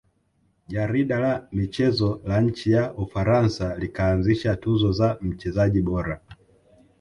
Jarida la michezo la nchi ya ufaransa likaanzisha tuzo za mchezaji bora